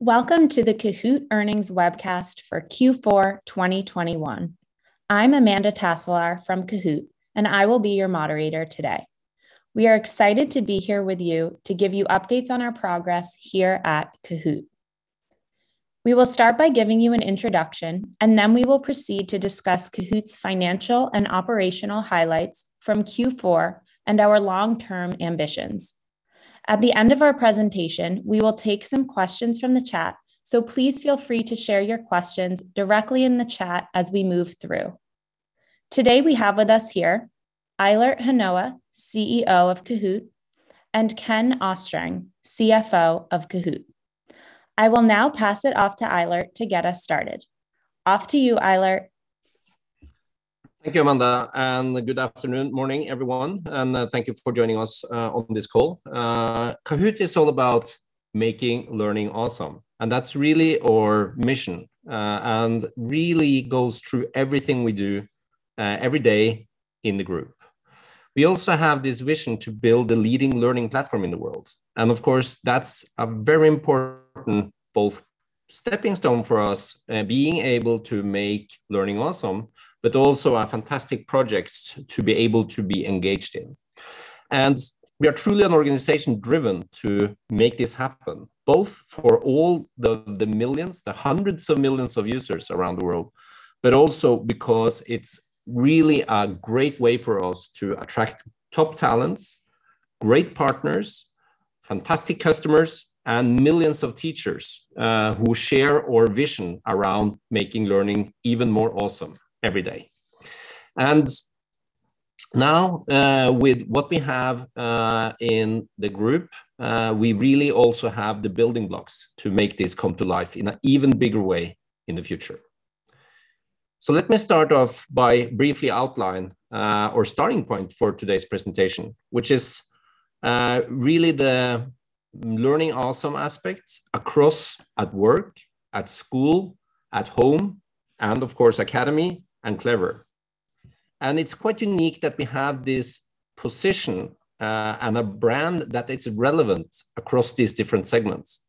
Welcome to the Kahoot! earnings webcast for Q4 2021. I'm Amanda Taselaar from Kahoot!, and I will be your moderator today. We are excited to be here with you to give you updates on our progress here at Kahoot!. We will start by giving you an introduction, and then we will proceed to discuss Kahoot!'s financial and operational highlights from Q4, and our long-term ambitions. At the end of our presentation, we will take some questions from the chat, so please feel free to share your questions directly in the chat as we move through. Today we have with us here Eilert Hanoa, CEO of Kahoot!, and Ken Østreng, CFO of Kahoot!. I will now pass it off to Eilert to get us started. Off to you, Eilert. Thank you, Amanda, and good afternoon, morning, everyone. Thank you for joining us on this call. Kahoot! is all about making learning awesome, and that's really our mission. Really goes through everything we do every day in the group. We also have this vision to build the leading learning platform in the world. Of course, that's a very important both stepping stone for us, being able to make learning awesome, but also a fantastic project to be able to be engaged in. We are truly an organization driven to make this happen, both for all the millions, the hundreds of millions of users around the world, but also because it's really a great way for us to attract top talents, great partners, fantastic customers, and millions of teachers who share our vision around making learning even more awesome every day. Now, with what we have in the group, we really also have the building blocks to make this come to life in an even bigger way in the future. Let me start off by briefly outline our starting point for today's presentation, which is really the learning awesome aspects across at Work, at School, at Home, and of course, Academy and Clever. It's quite unique that we have this position and a brand that is relevant across these different segments.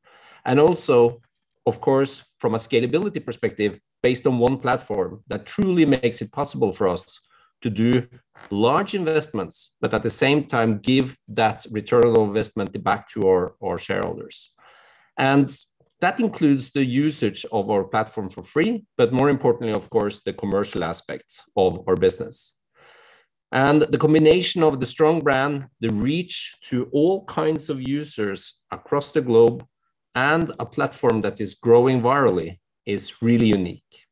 Also, of course, from a scalability perspective, based on one platform that truly makes it possible for us to do large investments, but at the same time, give that return on investment back to our shareholders. That includes the usage of our platform for free, but more importantly, of course, the commercial aspects of our business. The combination of the strong brand, the reach to all kinds of users across the globe, and a platform that is growing virally is really unique.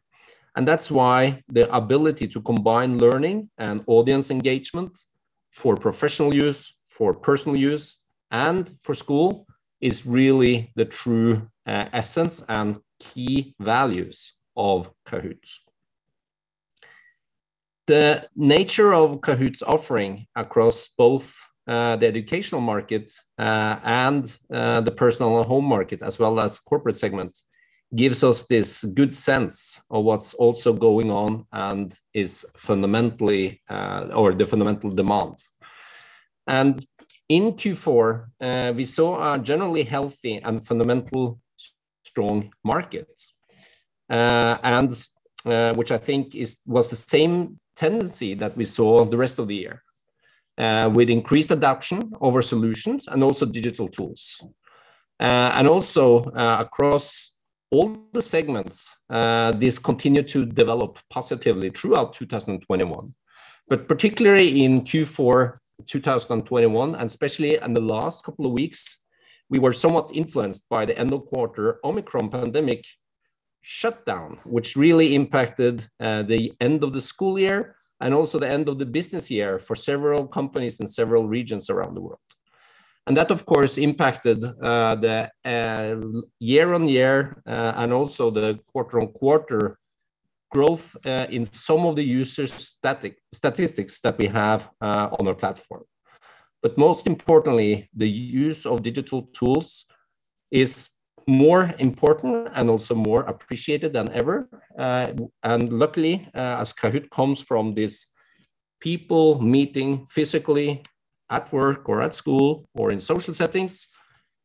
That's why the ability to combine learning and audience engagement for professional use, for personal use, and for school is really the true essence and key values of Kahoot!. The nature of Kahoot!'s offering across both the educational market and the personal home market, as well as corporate segment, gives us this good sense of what's also going on and is fundamentally or the fundamental demands. In Q4, we saw a generally healthy and fundamental strong market and which I think was the same tendency that we saw the rest of the year with increased adoption over solutions and also digital tools. Across all the segments, this continued to develop positively throughout 2021. Particularly in Q4 2021, and especially in the last couple of weeks, we were somewhat influenced by the end of quarter Omicron pandemic shutdown, which really impacted the end of the school year and also the end of the business year for several companies in several regions around the world. That, of course, impacted the year-over-year and also the quarter-over-quarter growth in some of the users statistics that we have on our platform. Most importantly, the use of digital tools is more important and also more appreciated than ever. Luckily, as Kahoot! comes from this people meeting physically at work or at school or in social settings,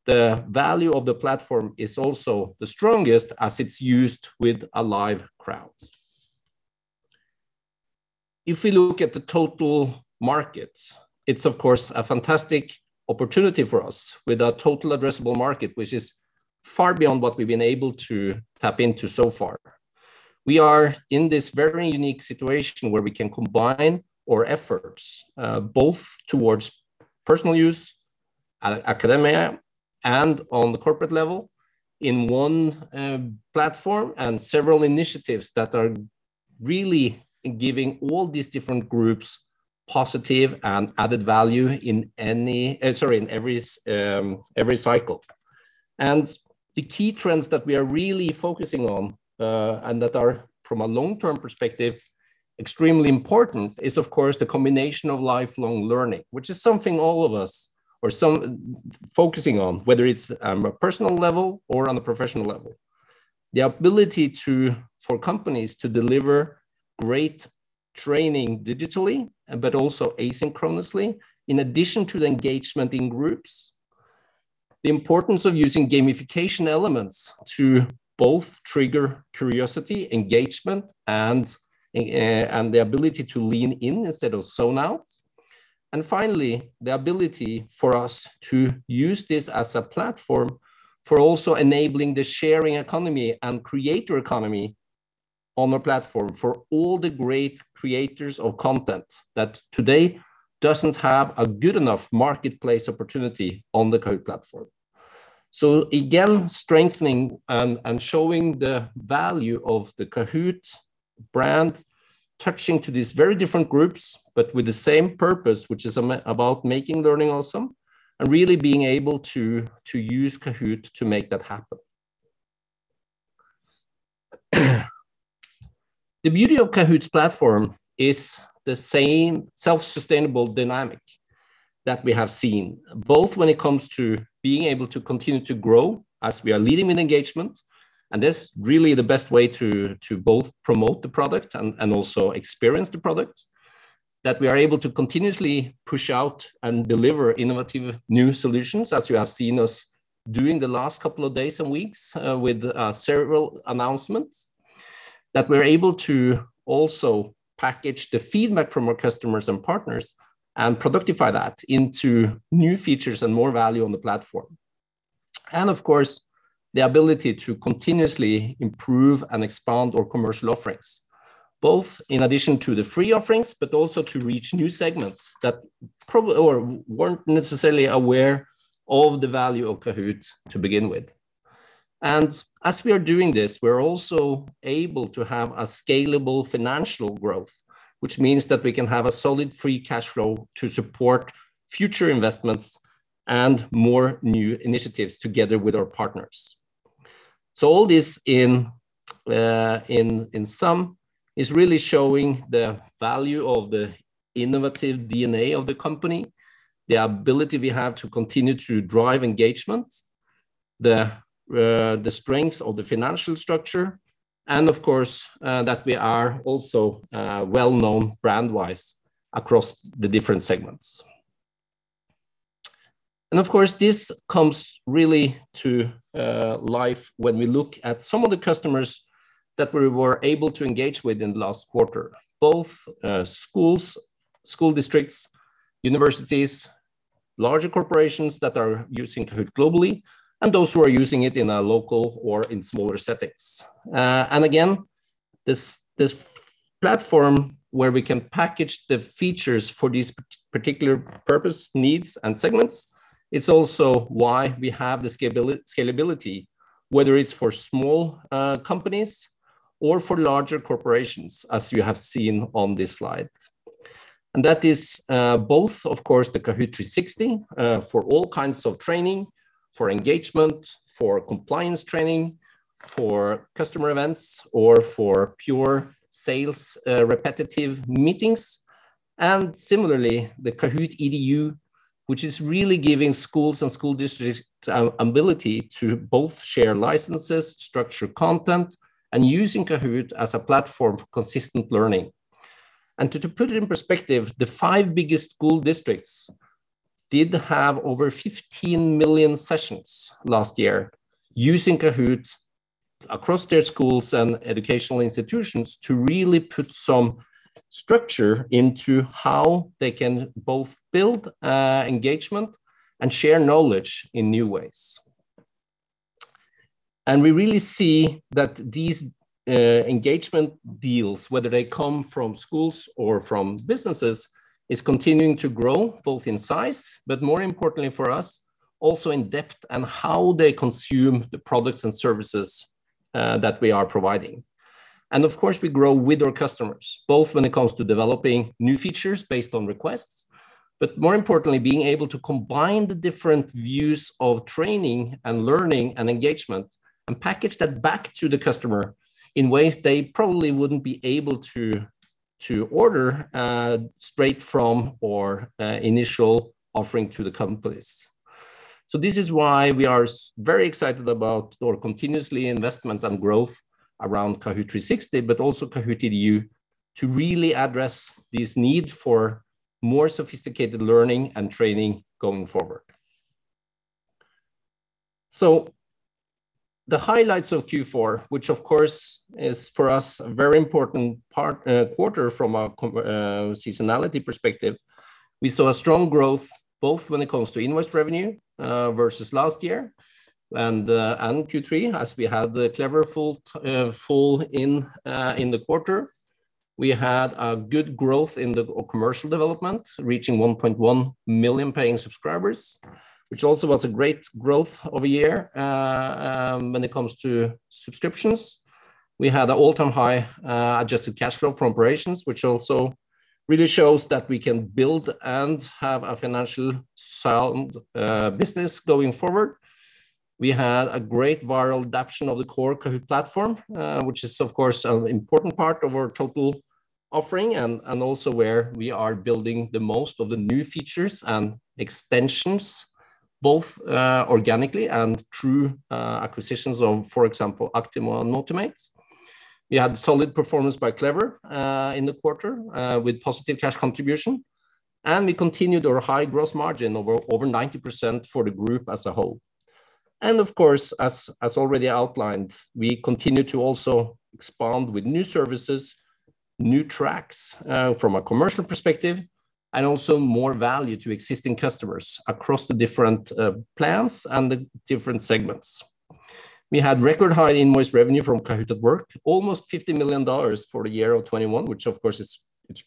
the value of the platform is also the strongest as it's used with a live crowd. If we look at the total markets, it's of course a fantastic opportunity for us with a total addressable market which is far beyond what we've been able to tap into so far. We are in this very unique situation where we can combine our efforts both towards personal use, academia, and on the corporate level in one platform and several initiatives that are really giving all these different groups positive and added value in every cycle. The key trends that we are really focusing on, and that are from a long-term perspective, extremely important is of course, the combination of lifelong learning, which is something all of us or some focusing on, whether it's on a personal level or on a professional level. The ability to, for companies to deliver great training digitally, but also asynchronously in addition to the engagement in groups, the importance of using gamification elements to both trigger curiosity, engagement, and the ability to lean in instead of zone out, and finally, the ability for us to use this as a platform for also enabling the sharing economy and creator economy on the platform for all the great creators of content that today doesn't have a good enough marketplace opportunity on the Kahoot! platform. Again, strengthening and showing the value of the Kahoot! brand, touching to these very different groups, but with the same purpose, which is about making learning awesome and really being able to use Kahoot! to make that happen. The beauty of Kahoot!'s platform is the same self-sustainable dynamic that we have seen, both when it comes to being able to continue to grow as we are leading in engagement. That's really the best way to both promote the product and also experience the product, that we are able to continuously push out and deliver innovative new solutions, as you have seen us doing the last couple of days and weeks with several announcements. That we're able to also package the feedback from our customers and partners and productify that into new features and more value on the platform. Of course, the ability to continuously improve and expand our commercial offerings, both in addition to the free offerings, but also to reach new segments that probably or weren't necessarily aware of the value of Kahoot! to begin with. As we are doing this, we're also able to have a scalable financial growth, which means that we can have a solid free cash flow to support future investments and more new initiatives together with our partners. All this in sum is really showing the value of the innovative DNA of the company, the ability we have to continue to drive engagement, the strength of the financial structure, and of course, that we are also well known brand-wise across the different segments. Of course, this comes really to life when we look at some of the customers that we were able to engage with in the last quarter, both schools, school districts, universities, larger corporations that are using Kahoot! globally, and those who are using it in a local or in smaller settings. Again, this platform where we can package the features for these particular purpose, needs, and segments, it's also why we have the scalability, whether it's for small companies or for larger corporations, as you have seen on this slide. That is both, of course, the Kahoot! 360 for all kinds of training, for engagement, for compliance training, for customer events or for pure sales repetitive meetings, and similarly, the Kahoot! EDU, which is really giving schools and school districts an ability to both share licenses, structure content, and use Kahoot! as a platform for consistent learning. To put it in perspective, the five biggest school districts did have over 15 million sessions last year using Kahoot! across their schools and educational institutions to really put some structure into how they can both build engagement and share knowledge in new ways. We really see that these engagement deals, whether they come from schools or from businesses, are continuing to grow both in size, but more importantly for us, also in depth and how they consume the products and services that we are providing. Of course, we grow with our customers, both when it comes to developing new features based on requests, but more importantly, being able to combine the different views of training and learning and engagement and package that back to the customer in ways they probably wouldn't be able to order straight from our initial offering to the companies. This is why we are very excited about our continuously investment and growth around Kahoot! 360, but also Kahoot! EDU to really address this need for more sophisticated learning and training going forward. The highlights of Q4, which of course is for us a very important part, quarter from a seasonality perspective, we saw a strong growth both when it comes to invoice revenue, versus last year and Q3 as we had the Clever fully in the quarter. We had a good growth in the commercial development, reaching 1.1 million paying subscribers, which also was a great growth year-over-year when it comes to subscriptions. We had an all-time high adjusted cash flow from operations, which also really shows that we can build and have a financially sound business going forward. We had a great viral adoption of the core Kahoot! platform, which is of course an important part of our total offering and also where we are building the most of the new features and extensions. Both organically and through acquisitions of, for example, Actimo and Motimate. We had solid performance by Clever in the quarter with positive cash contribution, and we continued our high growth margin over 90% for the group as a whole. Of course, as already outlined, we continue to also expand with new services, new tracks from a commercial perspective, and also more value to existing customers across the different plans and the different segments. We had record high invoice revenue from Kahoot! at Work, almost $50 million for the year of 2021, which of course is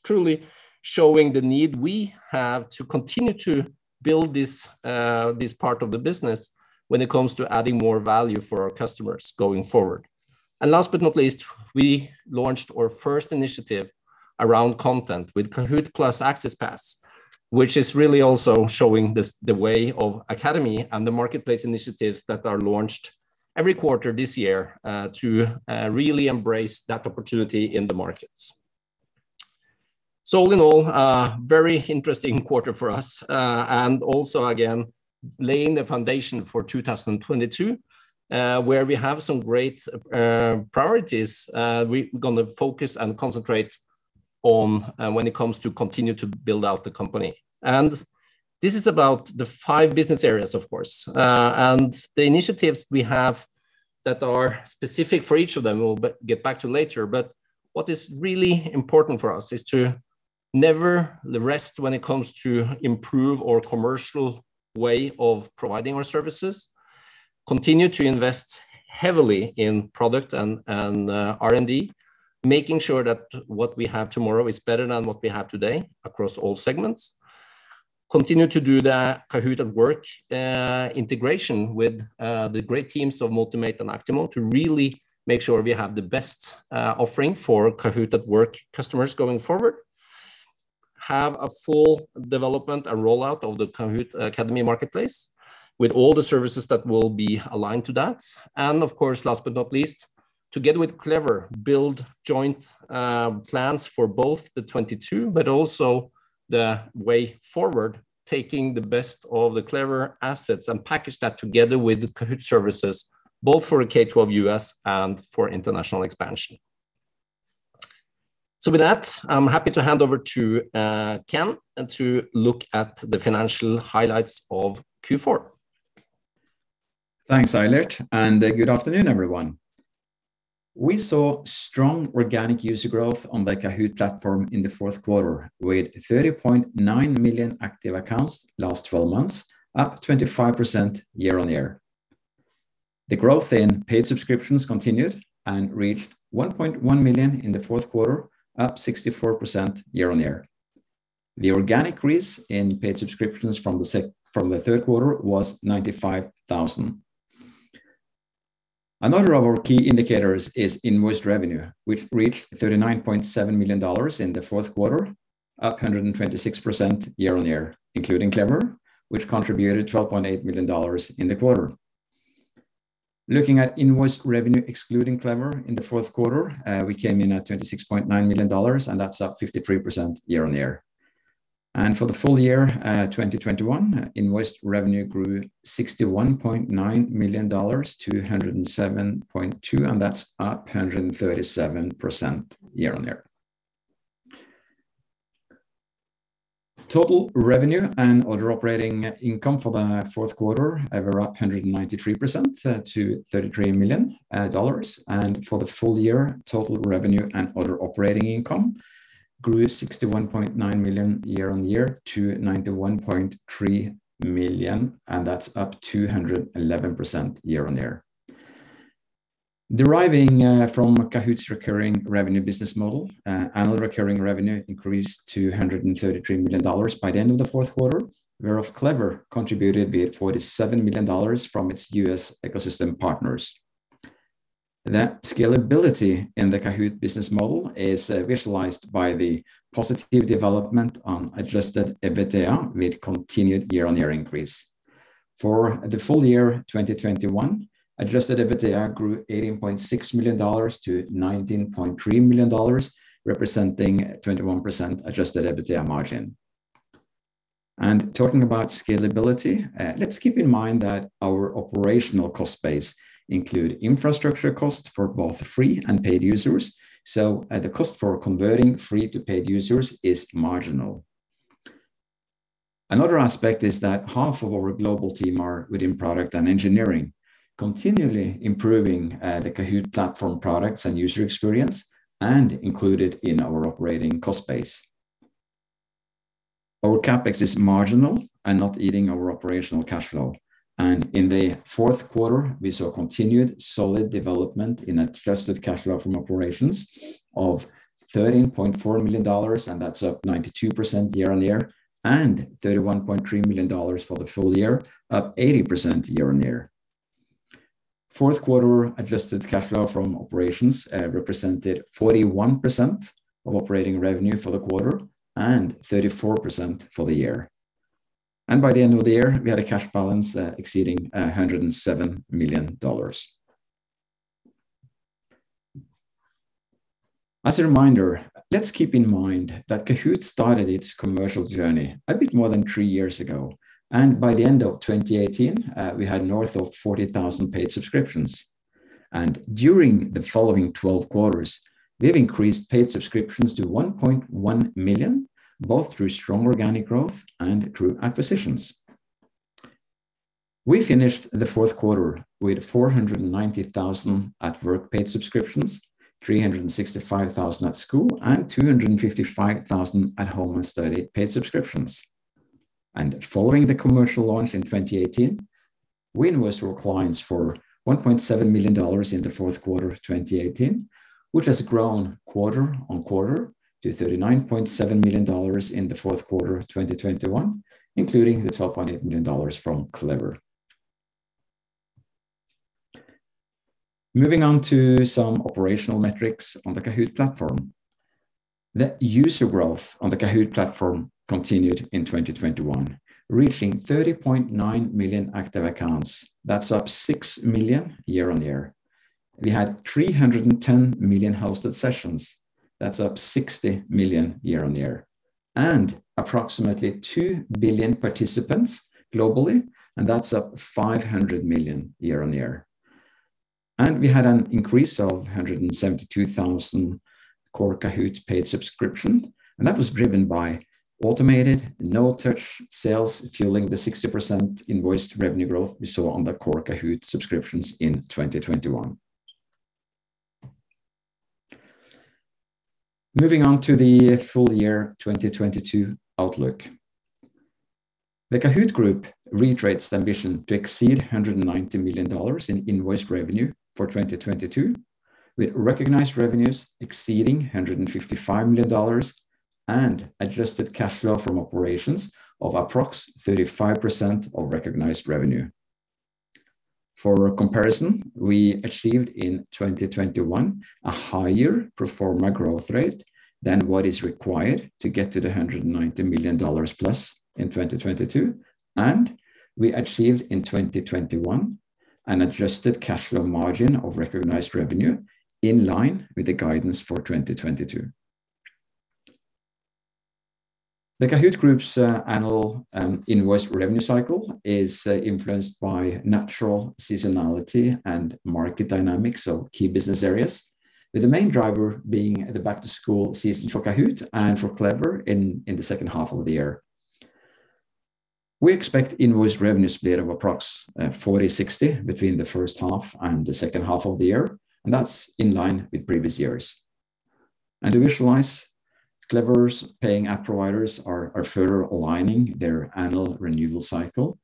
truly showing the need we have to continue to build this part of the business when it comes to adding more value for our customers going forward. Last but not least, we launched our first initiative around content with Kahoot!+ AccessPass, which is really also showing this, the way of Kahoot! Academy and the marketplace initiatives that are launched every quarter this year to really embrace that opportunity in the markets. In all, a very interesting quarter for us and also again laying the foundation for 2022, where we have some great priorities we gonna focus and concentrate on when it comes to continue to build out the company. This is about the five business areas, of course, and the initiatives we have that are specific for each of them, we'll get back to later. What is really important for us is to never rest when it comes to improve our commercial way of providing our services, continue to invest heavily in product and R&D, making sure that what we have tomorrow is better than what we have today across all segments. Continue to do the Kahoot! at Work integration with the great teams of Motimate and Actimo to really make sure we have the best offering for Kahoot! at Work customers going forward. Have a full development and rollout of the Kahoot! Academy marketplace with all the services that will be aligned to that. Of course, last but not least, together with Clever, build joint plans for both the 2022 but also the way forward, taking the best of the Clever assets and package that together with Kahoot! services, both for K-12 U.S. and for international expansion. With that, I'm happy to hand over to Ken to look at the financial highlights of Q4. Thanks, Eilert, and good afternoon, everyone. We saw strong organic user growth on the Kahoot! platform in the fourth quarter, with 30.9 million active accounts last twelve months, up 25% year-on-year. The growth in paid subscriptions continued and reached 1.1 million in the fourth quarter, up 64% year-on-year. The organic increase in paid subscriptions from the third quarter was 95,000. Another of our key indicators is invoiced revenue, which reached $39.7 million in the fourth quarter, up 126% year-on-year, including Clever, which contributed $12.8 million in the quarter. Looking at invoiced revenue excluding Clever in the fourth quarter, we came in at $26.9 million, and that's up 53% year-on-year. For the full year 2021, invoiced revenue grew $61.9 million to $107.2 million, and that's up 137% year-on-year. Total revenue and other operating income for the fourth quarter were up 193% to $33 million. For the full year, total revenue and other operating income grew $61.9 million year-on-year to $91.3 million, and that's up 211% year-on-year. Deriving from Kahoot!'s recurring revenue business model, annual recurring revenue increased to $133 million by the end of the fourth quarter, whereof Clever contributed $47 million from its U.S. ecosystem partners. That scalability in the Kahoot! business model is visualized by the positive development on adjusted EBITDA with continued year-on-year increase. For the full year 2021, adjusted EBITDA grew $18.6 million to $19.3 million, representing 21% adjusted EBITDA margin. Talking about scalability, let's keep in mind that our operational cost base include infrastructure costs for both free and paid users, so, the cost for converting free to paid users is marginal. Another aspect is that half of our global team are within product and engineering, continually improving, the Kahoot! platform products and user experience, and included in our operating cost base. Our CapEx is marginal and not eating our operational cash flow. In the fourth quarter, we saw continued solid development in adjusted cash flow from operations of $13.4 million, and that's up 92% year-on-year, and $31.3 million for the full year, up 80% year-on-year. Fourth quarter adjusted cash flow from operations represented 41% of operating revenue for the quarter and 34% for the year. By the end of the year, we had a cash balance exceeding $107 million. As a reminder, let's keep in mind that Kahoot! started its commercial journey a bit more than three years ago, and by the end of 2018, we had north of 40,000 paid subscriptions. During the following 12 quarters, we have increased paid subscriptions to 1.1 million, both through strong organic growth and through acquisitions. We finished the fourth quarter with 490,000 at work paid subscriptions, 365,000 at school, and 255,000 at home and study paid subscriptions. Following the commercial launch in 2018, we invoiced our clients for $1.7 million in the fourth quarter of 2018, which has grown quarter on quarter to $39.7 million in the fourth quarter of 2021, including the $12.8 million from Clever. Moving on to some operational metrics on the Kahoot! platform. The user growth on the Kahoot! platform continued in 2021, reaching 30.9 million active accounts. That's up 6 million year on year. We had 310 million hosted sessions. That's up 60 million year on year. Approximately 2 billion participants globally, and that's up 500 million year on year. We had an increase of 172,000 core Kahoot! paid subscription, and that was driven by automated no-touch sales, fueling the 60% invoiced revenue growth we saw on the core Kahoot! subscriptions in 2021. Moving on to the full year 2022 outlook. The Kahoot! Group reiterates the ambition to exceed $190 million in invoiced revenue for 2022, with recognized revenues exceeding $155 million and adjusted cash flow from operations of approximately 35% of recognized revenue. For comparison, we achieved in 2021 a higher pro forma growth rate than what is required to get to the $190 million+ in 2022, and we achieved in 2021 an adjusted cash flow margin of recognized revenue in line with the guidance for 2022. The Kahoot! Kahoot! Group's annual invoice revenue cycle is influenced by natural seasonality and market dynamics of key business areas, with the main driver being the back to school season for Kahoot! and for Clever in the second half of the year. We expect invoice revenue split of approximately 40-60 between the first half and the second half of the year, and that's in line with previous years. To visualize, Clever's paying app providers are further aligning their annual renewal cycle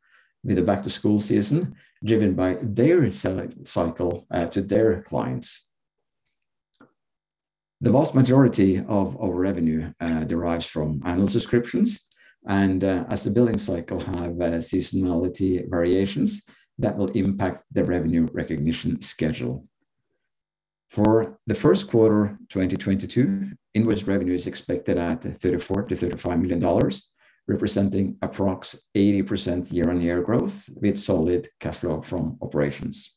with the back to school season, driven by their sales cycle to their clients. The vast majority of our revenue derives from annual subscriptions, and as the billing cycle have seasonality variations, that will impact the revenue recognition schedule. For the first quarter 2022, invoice revenue is expected at $34 million-$35 million, representing approx 80% year-on-year growth with solid cash flow from operations.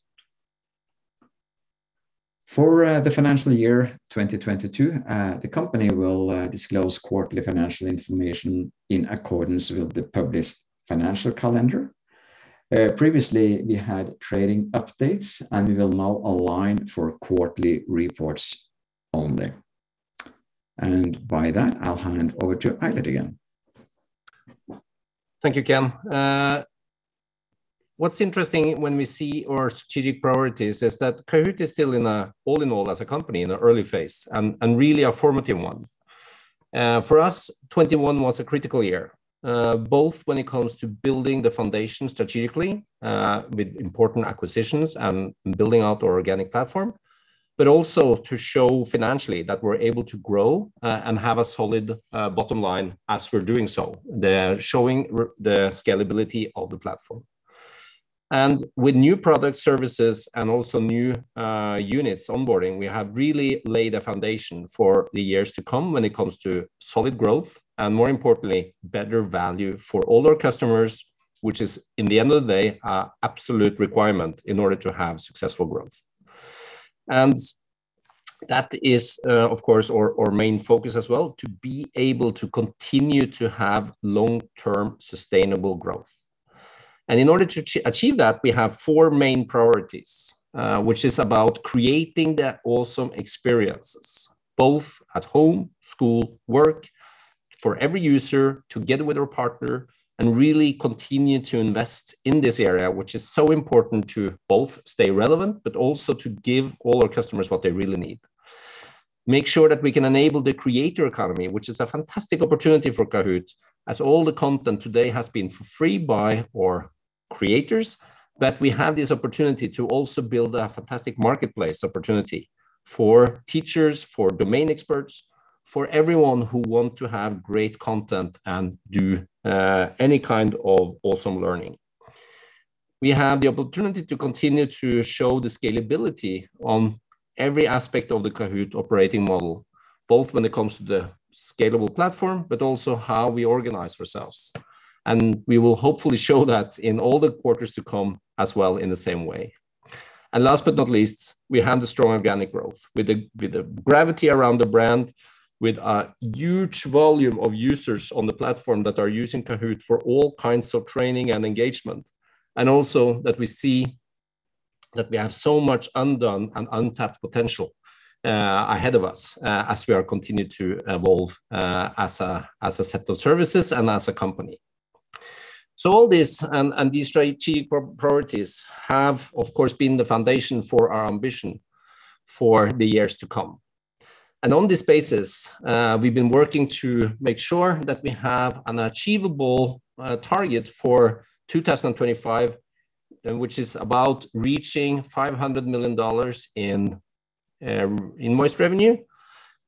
For the financial year 2022, the company will disclose quarterly financial information in accordance with the published financial calendar. Previously we had trading updates, and we will now align for quarterly reports only. By that, I'll hand over to Eilert again. Thank you, Ken. What's interesting when we see our strategic priorities is that Kahoot! is still in a, all in all as a company, in an early phase and really a formative one. For us, 2021 was a critical year, both when it comes to building the foundation strategically, with important acquisitions and building out our organic platform, but also to show financially that we're able to grow, and have a solid bottom line as we're doing so, showing the scalability of the platform. With new product services and also new units onboarding, we have really laid a foundation for the years to come when it comes to solid growth and more importantly, better value for all our customers, which is in the end of the day, an absolute requirement in order to have successful growth. That is, of course, our main focus as well, to be able to continue to have long-term sustainable growth. In order to achieve that, we have four main priorities, which is about creating the awesome experiences, both at home, school, work, for every user together with our partner, and really continue to invest in this area, which is so important to both stay relevant, but also to give all our customers what they really need. Make sure that we can enable the creator economy, which is a fantastic opportunity for Kahoot!, as all the content today has been for free by our creators, that we have this opportunity to also build a fantastic marketplace opportunity for teachers, for domain experts, for everyone who want to have great content and do any kind of awesome learning. We have the opportunity to continue to show the scalability on every aspect of the Kahoot! operating model, both when it comes to the scalable platform, but also how we organize ourselves. We will hopefully show that in all the quarters to come as well in the same way. Last but not least, we have the strong organic growth with the gravity around the brand, with a huge volume of users on the platform that are using Kahoot! for all kinds of training and engagement, and also that we see that we have so much undone and untapped potential ahead of us as we are continuing to evolve as a set of services and as a company. All this and these strategic priorities have, of course, been the foundation for our ambition for the years to come. On this basis, we've been working to make sure that we have an achievable target for 2025, which is about reaching $500 million in invoice revenue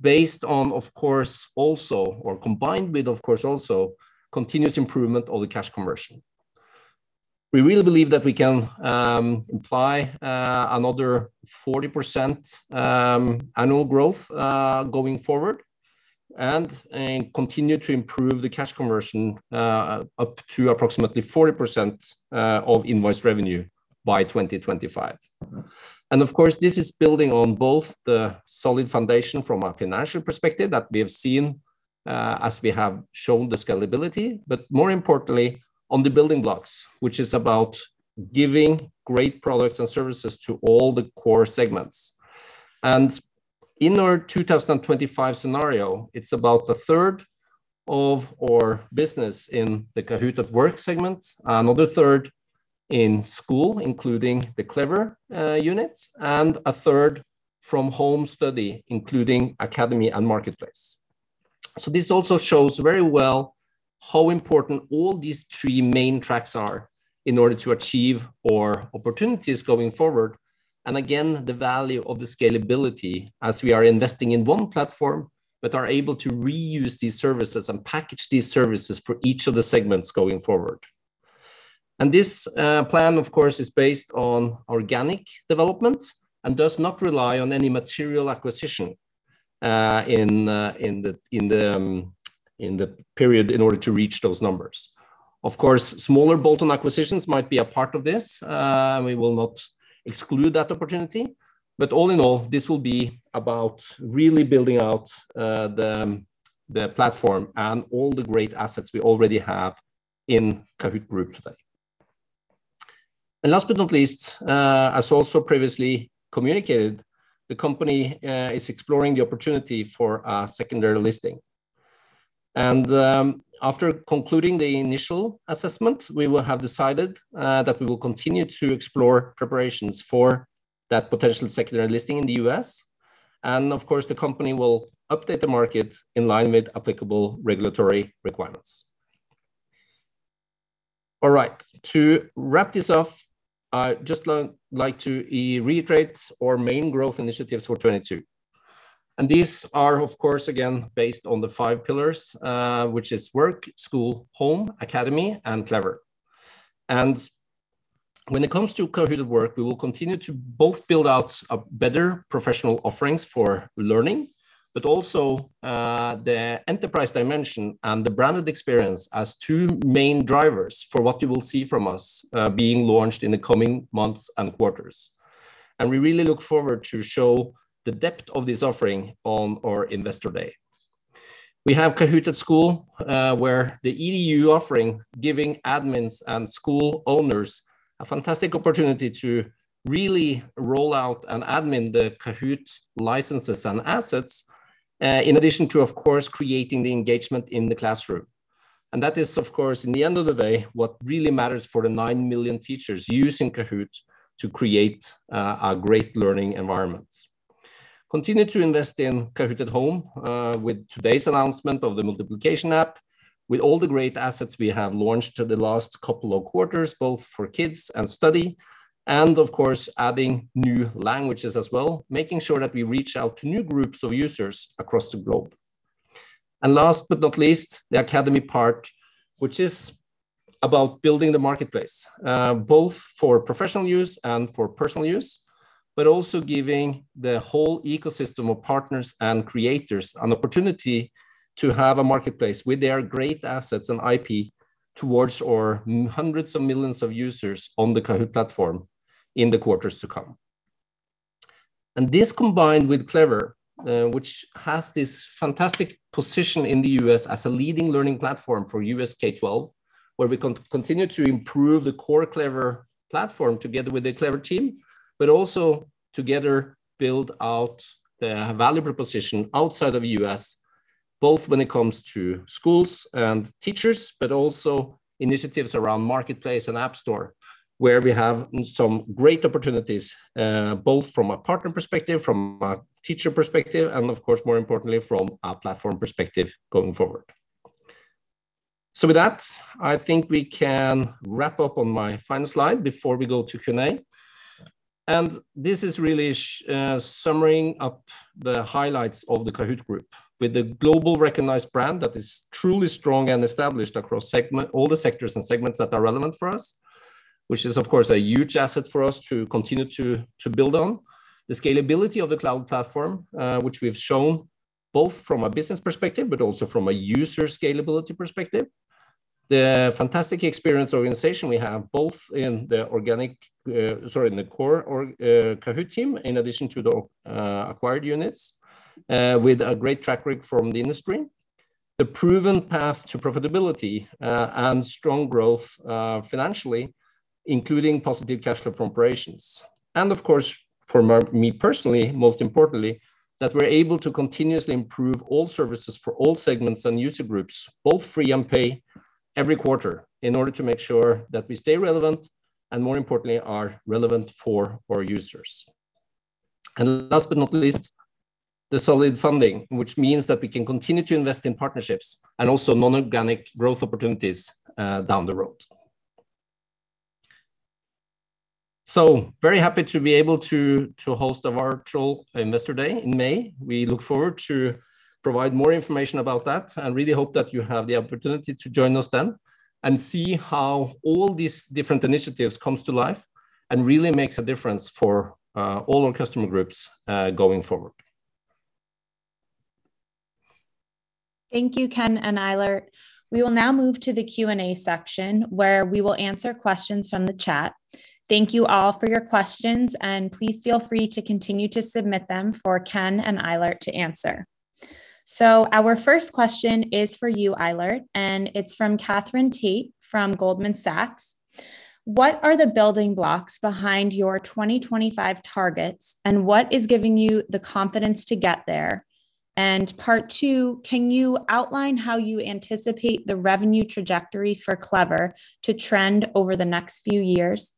based on, of course, combined with continuous improvement of the cash conversion. We really believe that we can apply another 40% annual growth going forward and continue to improve the cash conversion up to approximately 40% of invoice revenue by 2025. Of course, this is building on both the solid foundation from a financial perspective that we have seen as we have shown the scalability, but more importantly, on the building blocks, which is about giving great products and services to all the core segments. In our 2025 scenario, it's about a third of our business in the Kahoot! at Work segment, another third in School, including the Clever units, and a third from Home study, including Academy and Marketplace. This also shows very well how important all these three main tracks are in order to achieve our opportunities going forward and again, the value of the scalability as we are investing in one platform but are able to reuse these services and package these services for each of the segments going forward. This plan of course, is based on organic development and does not rely on any material acquisition in the period in order to reach those numbers. Of course, smaller bolt-on acquisitions might be a part of this. We will not exclude that opportunity. All in all, this will be about really building out the platform and all the great assets we already have in Kahoot! Group today. Last but not least, as also previously communicated, the company is exploring the opportunity for a secondary listing. After concluding the initial assessment, we will have decided that we will continue to explore preparations for that potential secondary listing in the U.S. Of course, the company will update the market in line with applicable regulatory requirements. All right, to wrap this up, I just like to reiterate our main growth initiatives for 2022. These are, of course, again, based on the five pillars, which is Work, School, Home, Academy and Clever. When it comes to Kahoot! at Work, we will continue to both build out a better professional offerings for learning, but also, the enterprise dimension and the branded experience as two main drivers for what you will see from us, being launched in the coming months and quarters. We really look forward to show the depth of this offering on our Investor Day. We have Kahoot! at School, where the Kahoot! EDU offering giving admins and school owners a fantastic opportunity to really roll out and admin the Kahoot! licenses and assets, in addition to, of course, creating the engagement in the classroom. That is, of course, in the end of the day, what really matters for the nine million teachers using Kahoot! to create, a great learning environment. We continue to invest in Kahoot! at Home, with today's announcement of the multiplication app. With all the great assets we have launched in the last couple of quarters, both for kids and study, and of course, adding new languages as well, making sure that we reach out to new groups of users across the globe. Last but not least, the Academy part, which is about building the marketplace, both for professional use and for personal use, but also giving the whole ecosystem of partners and creators an opportunity to have a marketplace with their great assets and IP towards our hundreds of millions of users on the Kahoot! platform in the quarters to come. This combined with Clever, which has this fantastic position in the U.S. as a leading learning platform for U.S. K-12, where we continue to improve the core Clever platform together with the Clever team, but also together build out the valuable position outside of the U.S., both when it comes to schools and teachers, but also initiatives around Marketplace and App Store, where we have some great opportunities, both from a partner perspective, from a teacher perspective, and of course, more importantly, from a platform perspective going forward. With that, I think we can wrap up on my final slide before we go to Kunal. This is really summarizing up the highlights of the Kahoot! Group with a global recognized brand that is truly strong and established across segments, all the sectors and segments that are relevant for us, which is of course a huge asset for us to continue to build on. The scalability of the cloud platform, which we have shown both from a business perspective but also from a user scalability perspective. The fantastic experience organization we have, both in the organic, in the core org, Kahoot! team, in addition to the acquired units, with a great track record from the industry. The proven path to profitability, and strong growth, financially, including positive cash flow from operations. Of course, for me personally, most importantly, that we're able to continuously improve all services for all segments and user groups, both free and pay, every quarter, in order to make sure that we stay relevant, and more importantly, are relevant for our users. Last but not least, the solid funding, which means that we can continue to invest in partnerships and also non-organic growth opportunities, down the road. Very happy to be able to host a virtual Investor Day in May. We look forward to provide more information about that, and really hope that you have the opportunity to join us then and see how all these different initiatives comes to life and really makes a difference for all our customer groups, going forward. Thank you, Ken and Eilert. We will now move to the Q&A section, where we will answer questions from the chat. Thank you all for your questions, and please feel free to continue to submit them for Ken and Eilert to answer. Our first question is for you, Eilert, and it's from Katherine Tait from Goldman Sachs. What are the building blocks behind your 2025 targets, and what is giving you the confidence to get there? And part two, can you outline how you anticipate the revenue trajectory for Clever to trend over the next few years?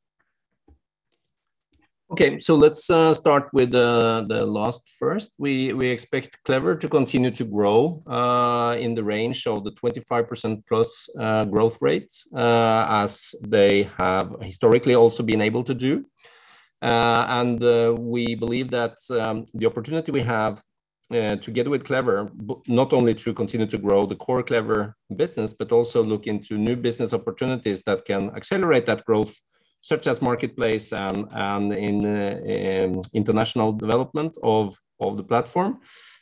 Okay. Let's start with the last first. We expect Clever to continue to grow in the range of the 25% plus growth rates as they have historically also been able to do. We believe that the opportunity we have together with Clever not only to continue to grow the core Clever business but also look into new business opportunities that can accelerate that growth such as Marketplace and in international development of the platform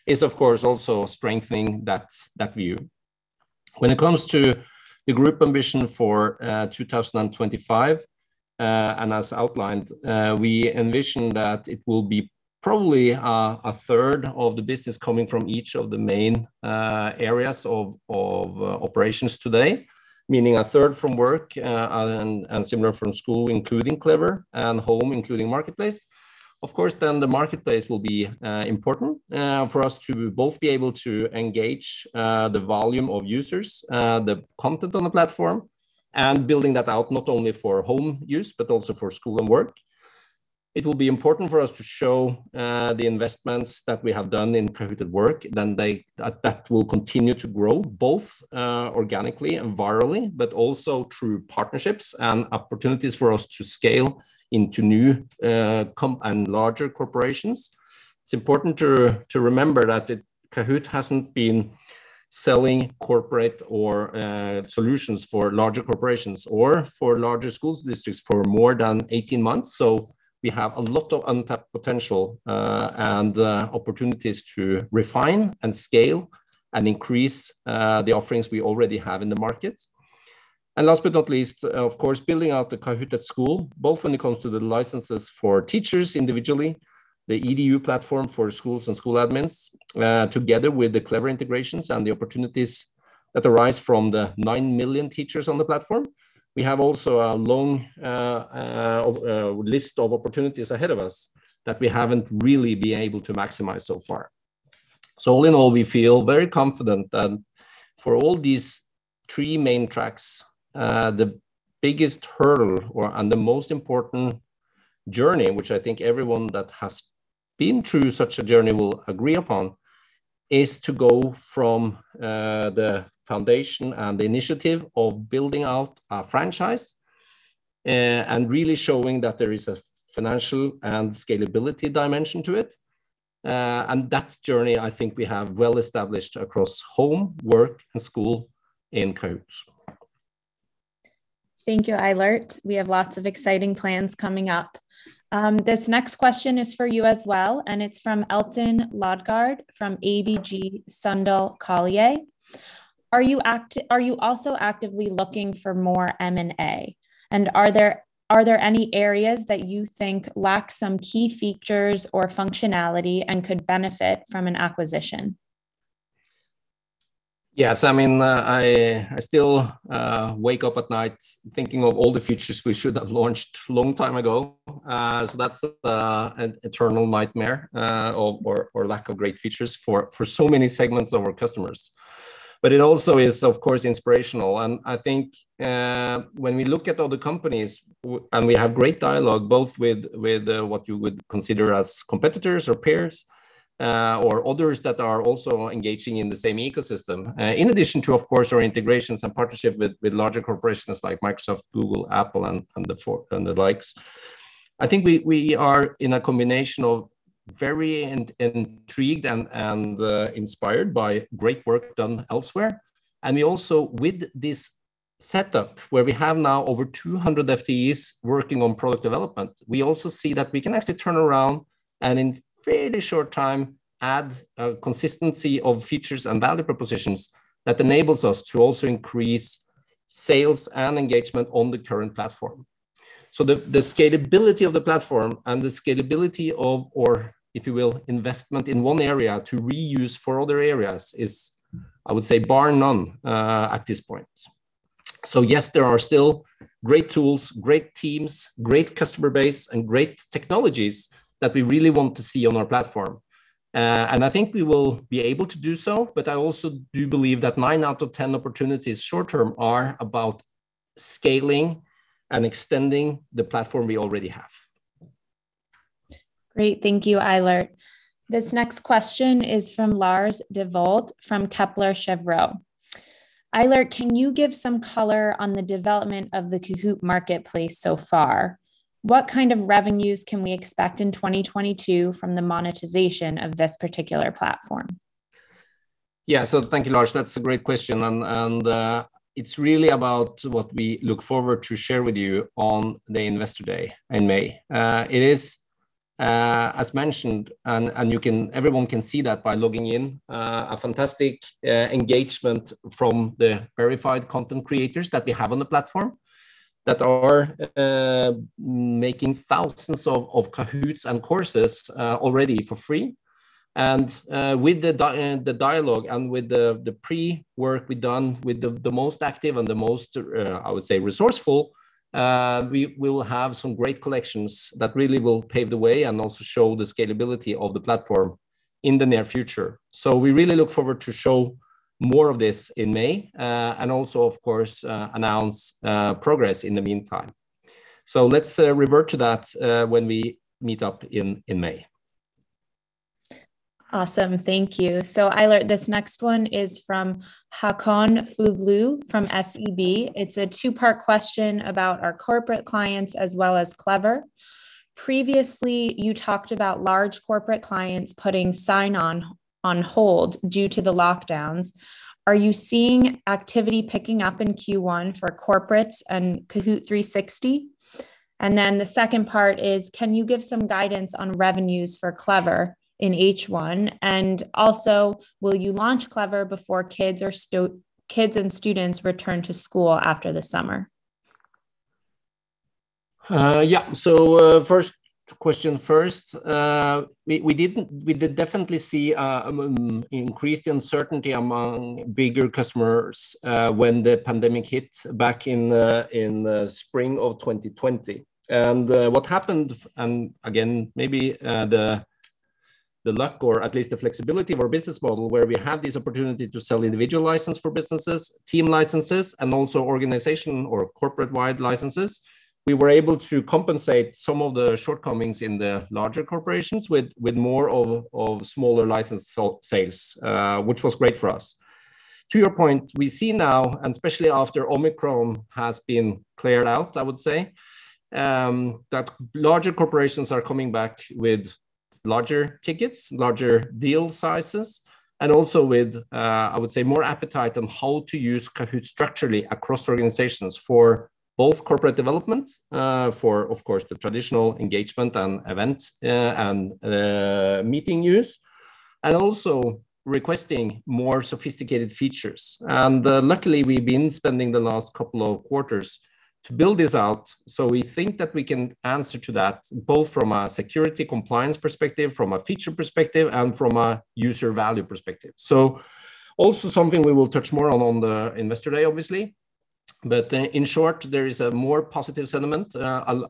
is of course also strengthening that view. When it comes to the group ambition for 2025, and as outlined, we envision that it will be probably a third of the business coming from each of the main areas of operations today, meaning a third from work, and similar from school, including Clever, and home, including Marketplace. Of course, then the marketplace will be important for us to both be able to engage the volume of users, the content on the platform, and building that out not only for home use but also for school and work. It will be important for us to show the investments that we have done in private work, then they. That will continue to grow both organically and virally, but also through partnerships and opportunities for us to scale into new and larger corporations. It's important to remember that Kahoot! hasn't been selling corporate or solutions for larger corporations or for larger school districts for more than 18 months, so we have a lot of untapped potential and opportunities to refine and scale and increase the offerings we already have in the market. Last but not least, of course, building out the Kahoot! at School, both when it comes to the licenses for teachers individually, the Kahoot! EDU platform for schools and school admins, together with the Clever integrations and the opportunities that arise from the 9 million teachers on the platform. We have also a long list of opportunities ahead of us that we haven't really been able to maximize so far. All in all, we feel very confident that for all these three main tracks, the biggest hurdle and the most important journey, which I think everyone that has been through such a journey will agree upon, is to go from the foundation and the initiative of building out our franchise, and really showing that there is a financial and scalability dimension to it. That journey, I think we have well established across home, work, and school in Kahoot!. Thank you, Eilert. We have lots of exciting plans coming up. This next question is for you as well, and it's from Øystein Lodgaard from ABG Sundal Collier. Are you also actively looking for more M&A? And are there any areas that you think lack some key features or functionality and could benefit from an acquisition? Yes. I mean, I still wake up at night thinking of all the features we should have launched long time ago. That's an eternal nightmare or lack of great features for so many segments of our customers. It also is, of course, inspirational. I think when we look at other companies and we have great dialogue, both with what you would consider as competitors or peers or others that are also engaging in the same ecosystem, in addition to, of course, our integrations and partnership with larger corporations like Microsoft, Google, Apple and the likes. I think we are in a combination of very intrigued and inspired by great work done elsewhere. We also, with this setup, where we have now over 200 FTEs working on product development, we also see that we can actually turn around and in very short time, add consistency of features and value propositions that enables us to also increase sales and engagement on the current platform. The scalability of the platform and the scalability of, or if you will, investment in one area to reuse for other areas is, I would say, bar none, at this point. Yes, there are still great tools, great teams, great customer base, and great technologies that we really want to see on our platform. I think we will be able to do so, but I also do believe that nine out of 10 opportunities short-term are about scaling and extending the platform we already have. Great. Thank you, Eilert. This next question is from Lars Devold from Kepler Cheuvreux. Eilert, can you give some color on the development of the Kahoot! marketplace so far? What kind of revenues can we expect in 2022 from the monetization of this particular platform? Yeah. Thank you, Lars. That's a great question. It's really about what we look forward to share with you on the Investor Day in May. It is, as mentioned, everyone can see that by logging in, a fantastic engagement from the verified content creators that we have on the platform that are making thousands of Kahoot!s and courses already for free. With the dialogue and with the pre-work we've done with the most active and the most, I would say, resourceful, we will have some great collections that really will pave the way and also show the scalability of the platform in the near future. We really look forward to show more of this in May, and also of course, announce progress in the meantime. Let's revert to that when we meet up in May. Awesome. Thank you. Eilert, this next one is from Håkon Fuglu from SEB. It's a two-part question about our corporate clients as well as Clever. Previously, you talked about large corporate clients putting sign-on on hold due to the lockdowns. Are you seeing activity picking up in Q1 for corporates and Kahoot! 360? And then the second part is, can you give some guidance on revenues for Clever in H1? And also, will you launch Clever before kids or kids and students return to school after the summer? Yeah. First question first. We did definitely see increased uncertainty among bigger customers when the pandemic hit back in spring of 2020. What happened, and again, maybe the luck or at least the flexibility of our business model where we have this opportunity to sell individual license for businesses, team licenses, and also organization or corporate-wide licenses, we were able to compensate some of the shortcomings in the larger corporations with more of smaller license sales, which was great for us. To your point, we see now, and especially after Omicron has been cleared out, I would say that larger corporations are coming back with larger tickets, larger deal sizes, and also with more appetite on how to use Kahoot!. Structurally across organizations for both corporate development, for of course, the traditional engagement and events, and meeting use, and also requesting more sophisticated features. Luckily, we've been spending the last couple of quarters to build this out, so we think that we can answer to that both from a security compliance perspective, from a feature perspective, and from a user value perspective. Also something we will touch more on the Investor Day, obviously. In short, there is a more positive sentiment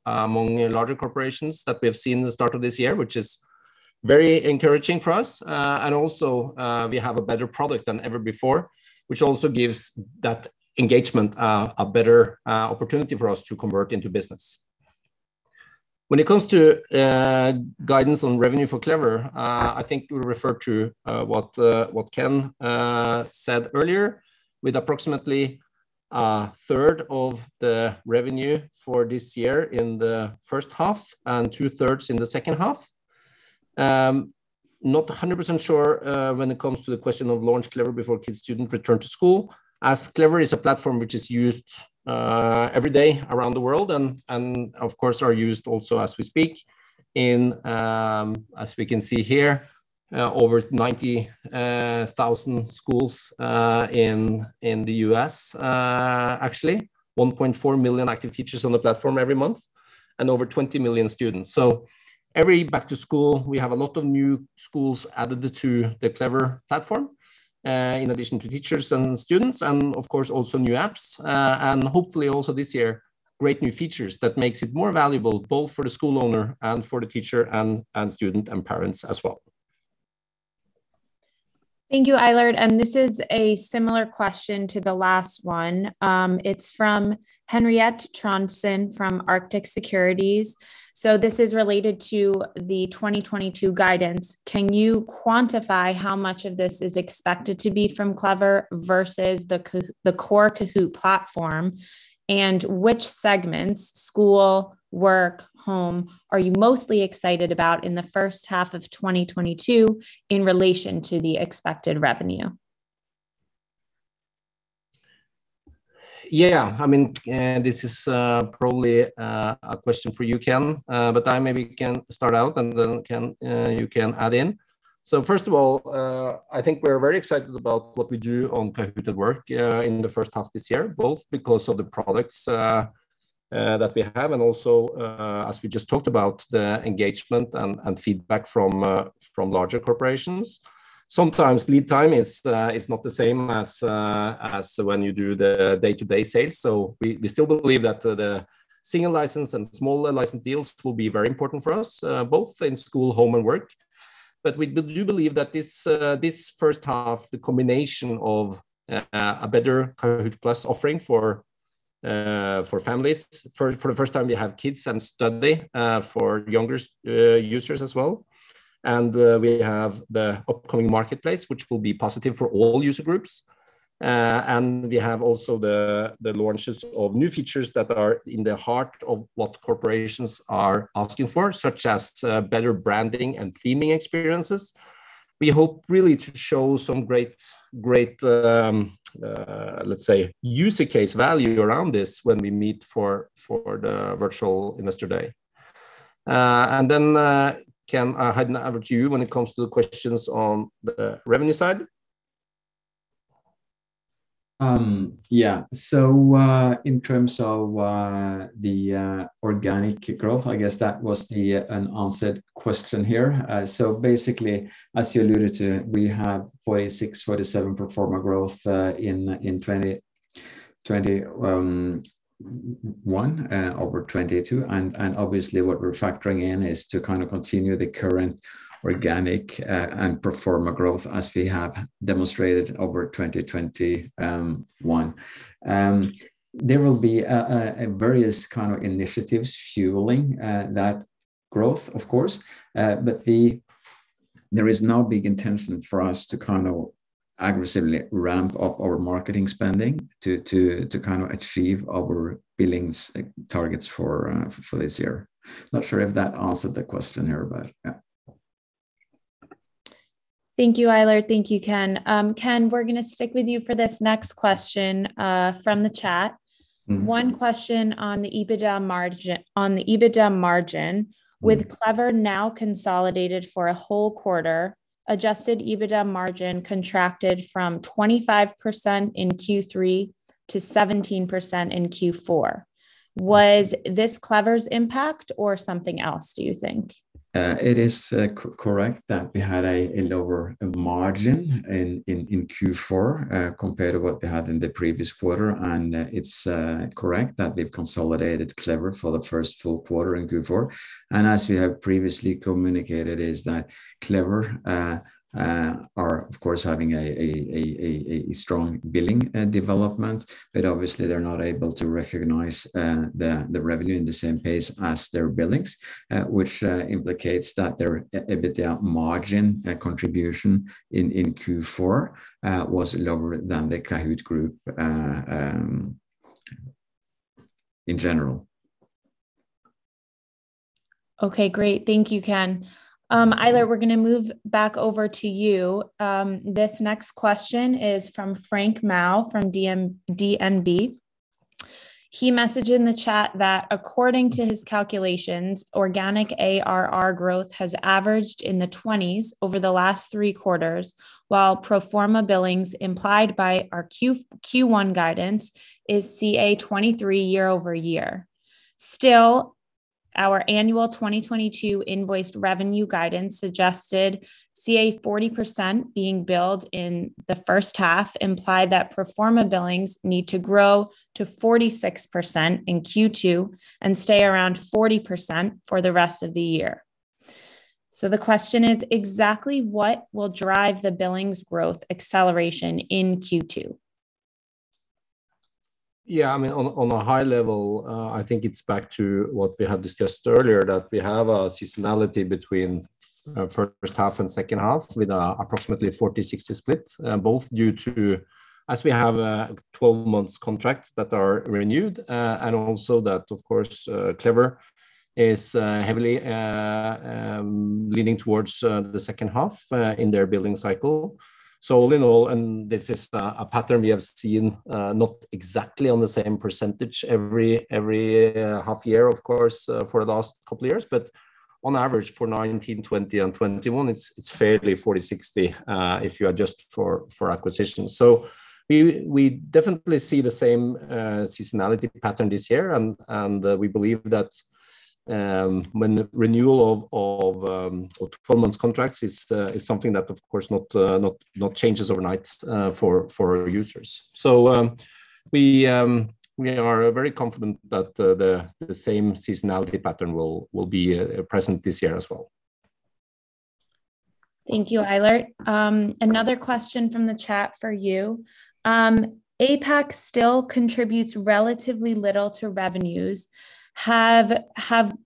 among larger corporations that we have seen the start of this year, which is very encouraging for us. We have a better product than ever before, which also gives that engagement a better opportunity for us to convert into business. When it comes to guidance on revenue for Clever, I think we refer to what Ken said earlier, with approximately a third of the revenue for this year in the first half and two-thirds in the second half. Not 100% sure when it comes to the question of launch Clever before kids, student return to school, as Clever is a platform which is used every day around the world and of course are used also as we speak in as we can see here over 90,000 schools in the U.S. Actually, 1.4 million active teachers on the platform every month, and over 20 million students. Every back to school, we have a lot of new schools added to the Clever platform, in addition to teachers and students, and of course, also new apps. Hopefully also this year, great new features that makes it more valuable both for the school owner and for the teacher and student and parents as well. Thank you, Eilert. This is a similar question to the last one. It's from Henriette Trondsen from Arctic Securities. This is related to the 2022 guidance. Can you quantify how much of this is expected to be from Clever versus the core Kahoot! platform? Which segments, school, work, home, are you mostly excited about in the first half of 2022 in relation to the expected revenue? Yeah. I mean, this is probably a question for you, Ken. I maybe can start out, and then, Ken, you can add in. First of all, I think we're very excited about what we do on Kahoot! at Work, in the first half this year, both because of the products that we have, and also, as we just talked about, the engagement and feedback from larger corporations. Sometimes lead time is not the same as when you do the day-to-day sales, we still believe that the larger license and smaller license deals will be very important for us, both in school, home, and work. We do believe that this first half, the combination of a better Kahoot!+ offering for families. For the first time we have Kids and Study for younger users as well. We have the upcoming marketplace, which will be positive for all user groups. We have also the launches of new features that are in the heart of what corporations are asking for, such as better branding and theming experiences. We hope really to show some great, let's say, use case value around this when we meet for the Virtual Investor Day. Ken, I hand over to you when it comes to the questions on the revenue side. Yeah. In terms of the unanswered question here. Basically, as you alluded to, we have 46%-47% pro forma growth in 2021 over 2022. Obviously what we're factoring in is to kind of continue the current organic and pro forma growth as we have demonstrated over 2021. There will be various kind of initiatives fueling that growth, of course. But there is no big intention for us to kind of aggressively ramp up our marketing spending to kind of achieve our billings targets for this year. Not sure if that answered the question here, but yeah. Thank you, Eilert. Thank you, Ken. Ken, we're gonna stick with you for this next question, from the chat. Mm-hmm. One question on the EBITDA margin. Mm. With Clever now consolidated for a whole quarter, adjusted EBITDA margin contracted from 25% in Q3 to 17% in Q4. Was this Clever's impact or something else, do you think? It is correct that we had a lower margin in Q4 compared to what we had in the previous quarter, and it's correct that we've consolidated Clever for the first full quarter in Q4. As we have previously communicated, is that Clever are of course having a strong billing development, but obviously they're not able to recognize the revenue in the same pace as their billings, which implicates that their EBITDA margin contribution in Q4 was lower than the Kahoot! Group in general. Okay, great. Thank you, Ken. Eilert, we're gonna move back over to you. This next question is from Frank Maaø from DNB. He messaged in the chat that according to his calculations, organic ARR growth has averaged in the 20s over the last three quarters, while pro forma billings implied by our Q1 guidance is ca 23% year-over-year. Still, our annual 2022 invoiced revenue guidance suggested ca 40% being billed in the first half implied that pro forma billings need to grow to 46% in Q2 and stay around 40% for the rest of the year. The question is, exactly what will drive the billings growth acceleration in Q2? Yeah, I mean on a high level, I think it's back to what we have discussed earlier, that we have a seasonality between first half and second half, with approximately a 40-60 split, both due to, as we have, 12-month contracts that are renewed, and also that, of course, Clever is heavily leaning towards the second half in their billing cycle. All in all, and this is a pattern we have seen, not exactly on the same percentage every half year, of course, for the last couple of years. On average for 2019, 2020, and 2021, it's fairly 40-60, if you adjust for acquisitions. We definitely see the same seasonality pattern this year, and we believe that when the renewal of 12 months contracts is something that of course not changes overnight for our users. We are very confident that the same seasonality pattern will be present this year as well. Thank you, Eilert. Another question from the chat for you. APAC still contributes relatively little to revenues. Have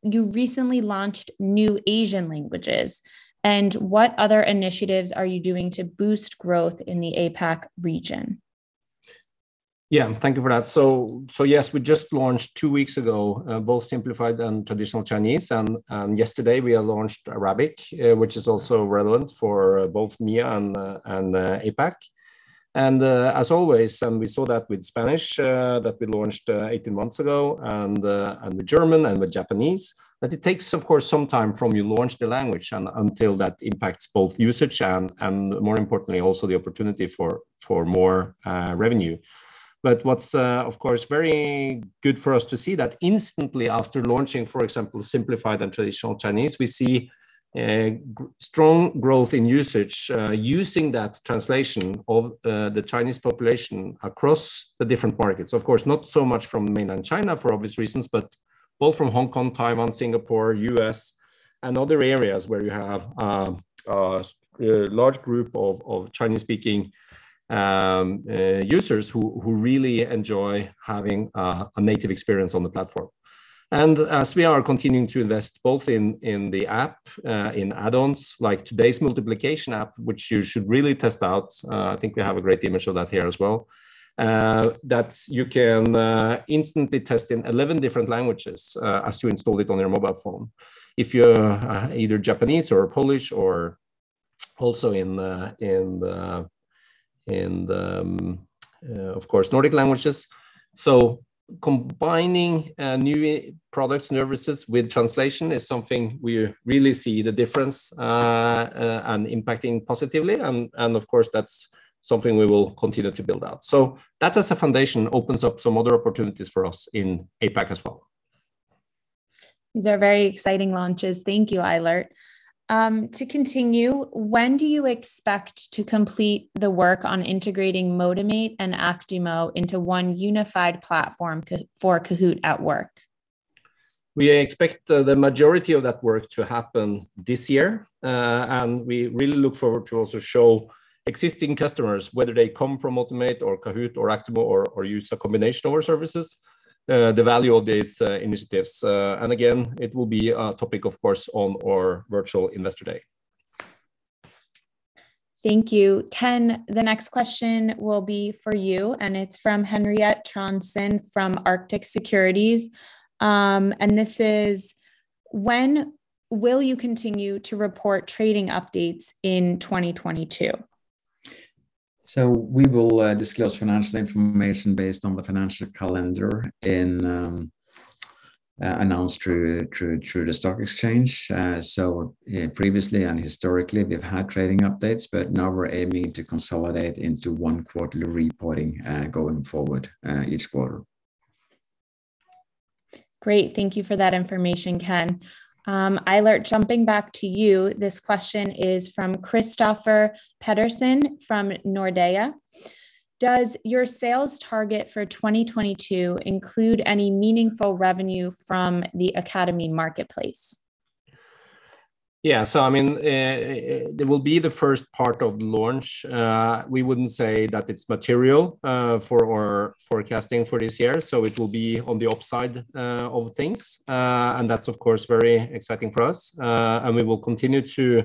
you recently launched new Asian languages? What other initiatives are you doing to boost growth in the APAC region? Yeah. Thank you for that. Yes, we just launched two weeks ago both simplified and traditional Chinese, and yesterday we have launched Arabic, which is also relevant for both MEA and APAC. As always, we saw that with Spanish that we launched 18 months ago, and with German and with Japanese, that it takes of course some time from you launch the language and until that impacts both usage and more importantly also the opportunity for more revenue. What's of course very good for us to see that instantly after launching for example simplified and traditional Chinese, we see a strong growth in usage using that translation of the Chinese population across the different markets. Of course, not so much from Mainland China, for obvious reasons, but both from Hong Kong, Taiwan, Singapore, U.S., and other areas where you have a large group of Chinese-speaking users who really enjoy having a native experience on the platform. As we are continuing to invest both in the app, in add-ons, like today's multiplication app, which you should really test out. I think we have a great image of that here as well that you can instantly test in 11 different languages as you install it on your mobile phone. If you're either Japanese or Polish or also in the Nordic languages, of course. Combining new products and services with translation is something we really see the difference and impacting positively. Of course, that's something we will continue to build out. That as a foundation opens up some other opportunities for us in APAC as well. These are very exciting launches. Thank you, Eilert. To continue, when do you expect to complete the work on integrating Motimate and Actimo into one unified platform for Kahoot! at Work? We expect the majority of that work to happen this year. We really look forward to also show existing customers, whether they come from Motimate or Kahoot! or Actimo or use a combination of our services, the value of these initiatives. Again, it will be a topic, of course, on our virtual Investor Day. Thank you. Ken, the next question will be for you, and it's from Henriette Trondsen from Arctic Securities. This is, when will you continue to report trading updates in 2022? We will disclose financial information based on the financial calendar announced through the stock exchange. Previously and historically, we've had trading updates, but now we're aiming to consolidate into one quarterly reporting going forward each quarter. Great. Thank you for that information, Ken. Eilert, jumping back to you. This question is from Kristoffer Pedersen from Nordea. Does your sales target for 2022 include any meaningful revenue from the Academy marketplace? Yeah. I mean, it will be the first part of launch. We wouldn't say that it's material for our forecasting for this year, so it will be on the upside of things. That's, of course, very exciting for us. We will continue to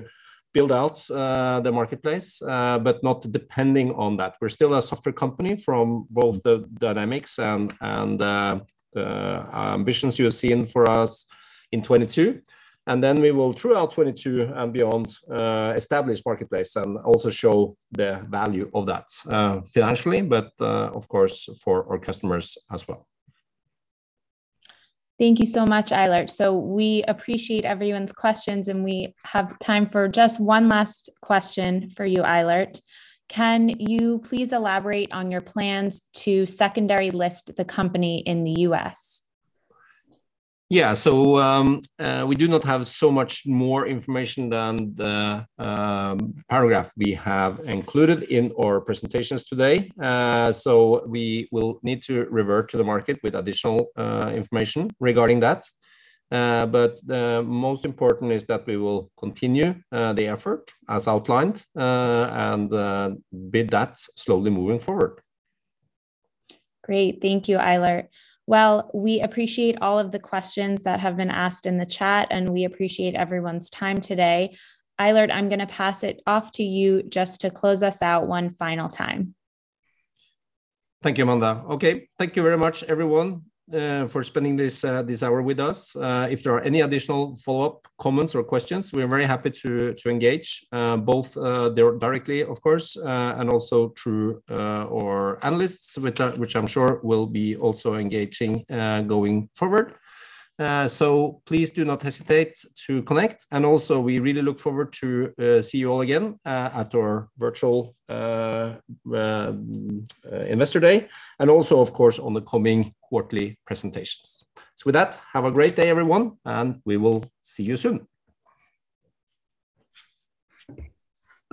build out the marketplace, but not depending on that. We're still a software company from both the dynamics and the ambitions you have seen for us in 2022. We will, throughout 2022 and beyond, establish marketplace and also show the value of that financially, but, of course, for our customers as well. Thank you so much, Eilert. We appreciate everyone's questions, and we have time for just one last question for you, Eilert. Can you please elaborate on your plans to secondary list the company in the U.S.? We do not have so much more information than the paragraph we have included in our presentations today. We will need to revert to the market with additional information regarding that. The most important is that we will continue the effort as outlined and build that slowly moving forward. Great. Thank you, Eilert. Well, we appreciate all of the questions that have been asked in the chat, and we appreciate everyone's time today. Eilert, I'm gonna pass it off to you just to close us out one final time. Thank you, Amanda. Okay, thank you very much, everyone, for spending this hour with us. If there are any additional follow-up comments or questions, we're very happy to engage both directly, of course, and also through our analysts, which I'm sure will be also engaging going forward. Please do not hesitate to connect. We really look forward to see you all again at our virtual Investor Day, and also, of course, on the coming quarterly presentations. With that, have a great day, everyone, and we will see you soon.